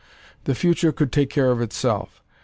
The future could take care of itself.